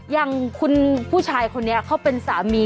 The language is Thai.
อย่างคุณผู้ชายคนนี้เขาเป็นสามี